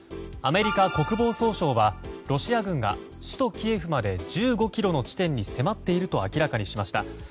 アメリカ国防総省はロシア軍が首都キエフまで１５ｋｍの地点に迫っていると明らかにしました。